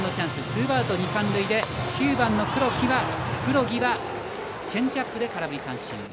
ツーアウト二、三塁で９番の黒木はチェンジアップで空振り三振。